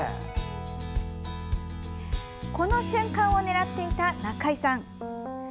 この瞬間を狙っていた中井さん。